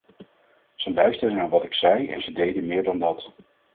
Ze luisterden naar wat ik zei en ze deden meer dan dat.